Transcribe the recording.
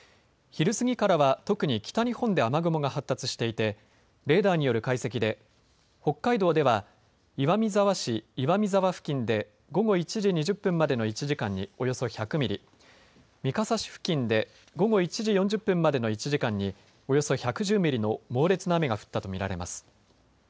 昼過ぎからは特に北日本で雨雲が発達していてレーダーによる解析で北海道では岩見沢市岩見沢付近で午後１時２０分までの１時間におよそ１００ミリ、三笠市付近で午後１時４０分までの１時間におよそ１１０ミリの猛烈な雨が降ったと見られます。